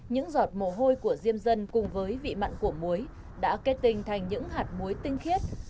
những giọt mồ hôi của diêm dân cùng với vị mặn của muối đã kết tinh thành những hạt muối tinh khiết